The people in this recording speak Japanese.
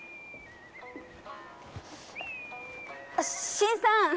新さん